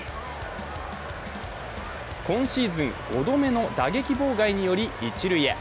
今シーズン５度目の打撃妨害により一塁へ。